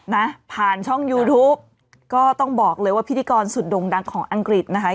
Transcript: นะผ่านช่องยูทูปก็ต้องบอกเลยว่าพิธีกรสุดโด่งดังของอังกฤษนะคะ